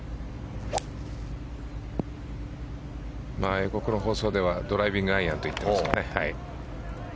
英国の放送ではドライビングアイアンと言っていますがね。